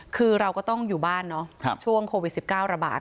คือเราก็ต้องอยู่บ้านเนาะช่วงโควิด๑๙ระบาด